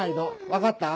分かった？